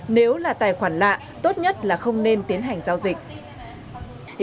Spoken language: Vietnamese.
nếu là tài khoản lạ tốt nhất là không nên tiến hành giao dịch